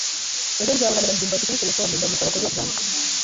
Ejo nzabonana na ndimbati kuri terefone ndamusaba kuduha ikiganza.